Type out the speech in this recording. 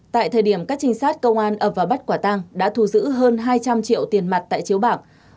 tại thời điểm các trinh sát công an ập vào bắt quả tang đã thu giữ hơn hai trăm linh triệu tiền mặt tại chiếu bạc